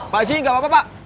pak haji gak apa apa pak